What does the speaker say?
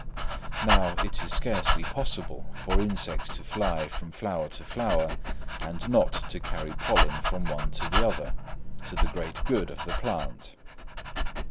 Now, it is scarcely possible for insects to fly from flower to flower, and not to carry pollen from one to the other, to the great good of the plant.